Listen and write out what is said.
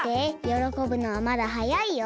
よろこぶのはまだはやいよ。